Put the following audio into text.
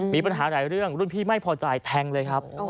มีปัญหาหลายเรื่องรุ่นพี่ไม่พอใจแทงเลยครับ